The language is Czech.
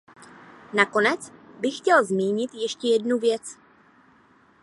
Na konec bych chtěl zmínit ještě jednu věc.